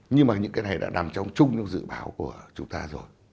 nhưng mà những cái này đã nằm trong chung những dự báo của chúng ta rồi